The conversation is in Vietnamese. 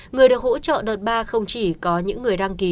người được hỗ trợ đợt ba không chỉ có những người đăng ký